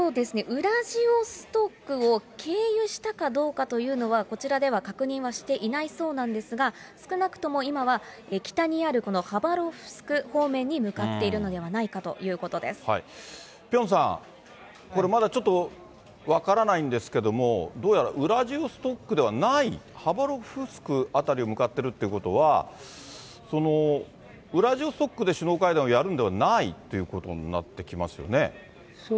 ウラジオストクを経由したかどうかというのは、こちらでは確認はしていないそうなんですが、少なくとも今は北にあるこのハバロフスク方面に向かっているのでピョンさん、これまだちょっと分からないんですけども、どうやらウラジオストクではない、ハバロフスク辺りへ向かってるってことは、ウラジオストクで首脳会談をやるんではないということになってきますよね。